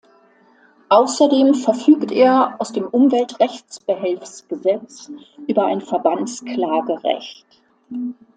Außerdem verfügt er aus dem Umwelt-Rechtsbehelfsgesetz über ein Verbandsklage-Recht.